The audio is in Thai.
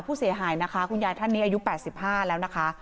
ผู้เสียหายนะคะคุณยายท่านนี้อายุ๘๕แล้วนะคะ